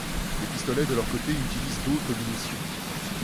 Les pistolets, de leur côté, utilisent d'autres munitions.